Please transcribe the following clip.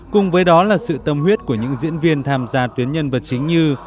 cùng với đó là sự tâm huyết của những diễn viên tham gia tuyến nhân vật chính như